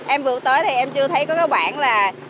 em vừa tới thì em chưa thấy có cái bản là